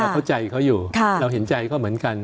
เข้าใจเขาอยู่เราเห็นใจเขาเหมือนกัน